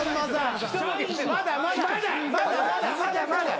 まだ。